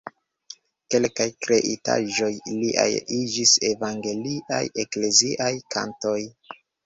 Kelkaj kreitaĵoj liaj iĝis evangeliaj ekleziaj kantoj.